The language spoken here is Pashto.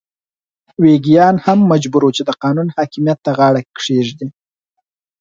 ویګیان هم مجبور وو چې د قانون حاکمیت ته غاړه کېږدي.